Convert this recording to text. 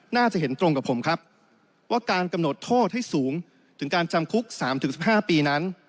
น่าจะเห็นตรงกับผมครับว่าการกำหนดโทษให้สูงถึงการจำคุก๓๑๕ปีนั้น